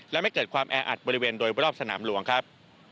และไม่เกิดความแออัดบริเวณโดยรอบสนามหลวงครับ